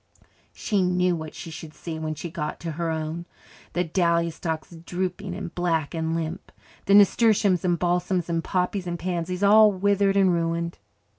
She knew what she should see when she got to her own the dahlia stalks drooping and black and limp, the nasturtiums and balsams and poppies and pansies all withered and ruined.